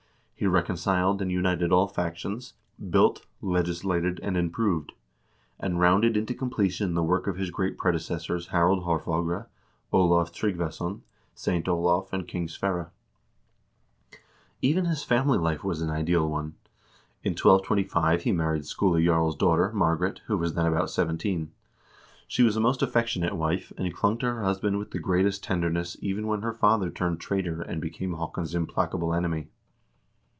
He reconciled and united all factions, built, legislated, and improved; and rounded into completion the work of his great predecessors Harald Haarfagre, Olav Tryggvason, St. Olav, and King Sverre. Even his family life was an ideal one. In 1225 he married Skule Jarl's daughter, Margaret, who was then about seventeen. She was a most affectionate wife, and clung to her husband with the greatest tenderness even when her father turned traitor and became Haakon's implacable enemy.